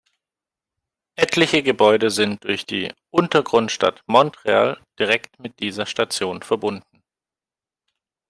Etliche Gebäude sind durch die "Untergrundstadt Montreal" direkt mit dieser Station verbunden.